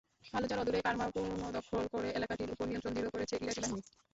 ফালুজার অদূরে কারমা পুনর্দখল করে এলাকাটির ওপর নিয়ন্ত্রণ দৃঢ় করেছে ইরাকি বাহিনী।